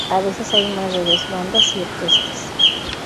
A veces hay más de dos bandas y orquestas.